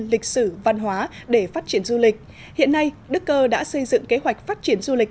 lịch sử văn hóa để phát triển du lịch hiện nay đức cơ đã xây dựng kế hoạch phát triển du lịch